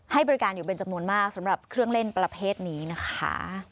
ให้บริการอยู่เป็นจำนวนมากสำหรับเครื่องเล่นประเภทนี้นะคะ